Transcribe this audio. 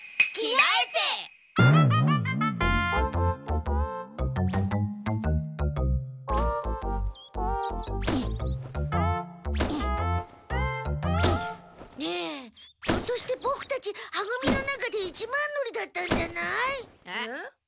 ねえひょっとしてボクたちは組の中で一番乗りだったんじゃない？えっ？